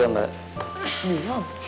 kamu ngapain sih